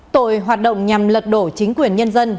tội hoạt động nhằm lật đổ chính quyền nhân dân